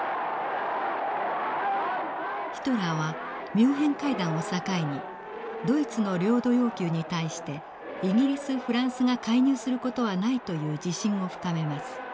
ヒトラーはミュンヘン会談を境にドイツの領土要求に対してイギリスフランスが介入する事はないという自信を深めます。